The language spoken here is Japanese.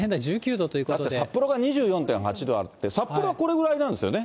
だって札幌が２４．８度あって、札幌はこれぐらいなんですよね。